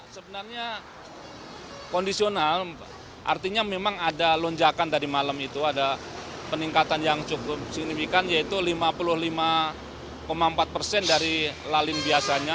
sebenarnya kondisional artinya memang ada lonjakan tadi malam itu ada peningkatan yang cukup signifikan yaitu lima puluh lima empat persen dari lalin biasanya